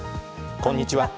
こんにちは。